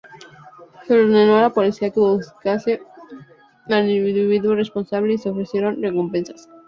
Se ordenó a la policía que buscase al individuo responsable, y se ofrecieron recompensas.